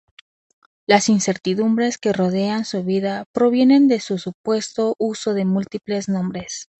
Las incertidumbres que rodean su vida provienen de su supuesto uso de múltiples nombres.